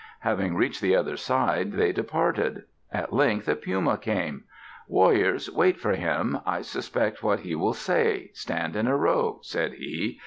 Having reached the other side, they departed. At length a Puma came. "Warriors, wait for him. I suspect what he will say. Stand in a row," said he.